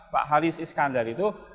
pak haris iskandar itu